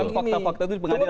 fakta fakta itu di pengadilan